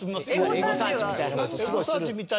エゴサーチみたいなのも。